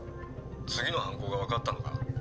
次の犯行が分かったのか？